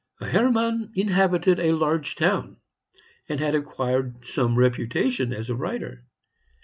Hermann inhabited a large town, and had acquired some reputation as a writer.